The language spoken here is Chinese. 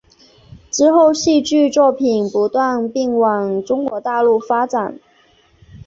之后戏剧作品不断并往中国大陆发展。